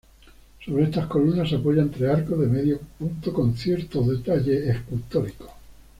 Sobre estas columnas se apoyan tres arcos de medio punto con ciertos detalles escultóricos.